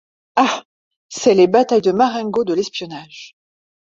Ah ! c’est les batailles de Marengo de l’espionnage.